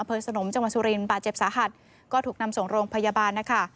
สนมจังหวัดสุรินบาดเจ็บสาหัสก็ถูกนำส่งโรงพยาบาลนะคะ